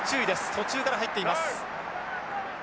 途中から入っています。